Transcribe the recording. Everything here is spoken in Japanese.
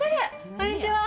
こんにちは。